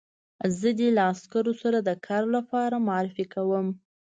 زه دې له عسکرو سره د کار لپاره معرفي کوم